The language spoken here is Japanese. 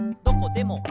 「どこでも」